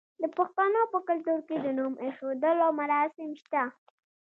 د پښتنو په کلتور کې د نوم ایښودلو مراسم شته.